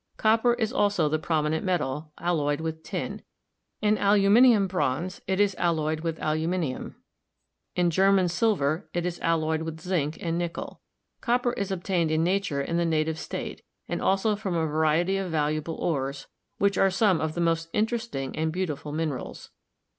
copper is also the prominent metal, alloyed with tin; in aluminium bronze it is alloyed with aluminium ; in german silver it is alloyed with zinc and nickel. Copper is obtained in nature in the native state, and also from a variety of valuable ores, which are some of the most interesting and beautiful minerals.